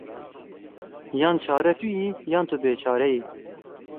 Yan çare tu yî, yan tu bêçare yî.